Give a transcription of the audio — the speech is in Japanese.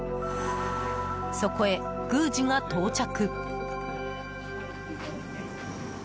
そこへ、宮司が到着。